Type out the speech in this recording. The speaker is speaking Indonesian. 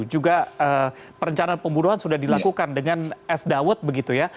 juga perencanaan pembunuhan sudah dilakukan dengan es dawet begitu ya